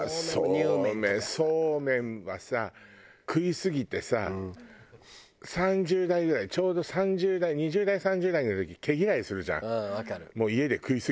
そうめんはさ食いすぎてさ３０代ぐらいちょうど３０代２０代３０代の時毛嫌いするじゃんもう家で食いすぎて。